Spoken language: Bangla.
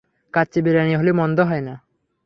কাচ্চি বিরিয়ানি হলে মন্দ হয় না।